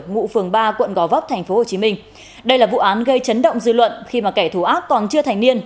ngụ phường ba quận gò vấp tp hcm đây là vụ án gây chấn động dư luận khi mà kẻ thù ác còn chưa thành niên